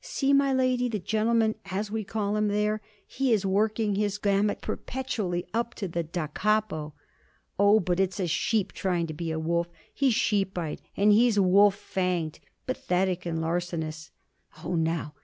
See, my lady, the gentleman, as we call him; there he is working his gamut perpetually up to da capo. Oh! but it's a sheep trying to be wolf; he 's sheep eyed and he 's wolf fanged, pathetic and larcenous! Oh, now!